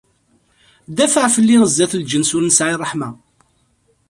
Dafeɛ fell-i sdat lǧens ur nesɛi ṛṛeḥma!